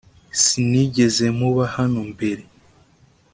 Sinigeze muba hano mbere